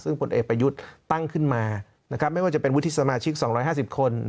ซึ่งผลเอกประยุทธ์ตั้งขึ้นมานะครับไม่ว่าจะเป็นวุฒิสมาชิก๒๕๐คน